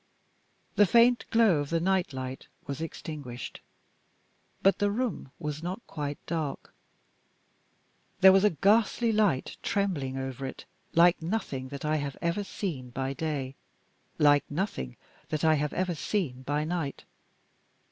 The faint glow of the night light was extinguished. But the room was not quite dark. There was a ghastly light trembling over it; like nothing that I have ever seen by day; like nothing that I have ever seen by night.